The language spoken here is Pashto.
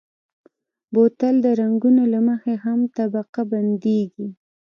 بوتل د رنګونو له مخې هم طبقه بندېږي.